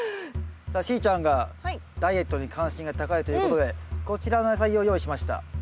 さあしーちゃんがダイエットに関心が高いということでこちらの野菜を用意しました。